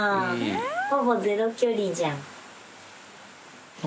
ほぼゼロ距離じゃん。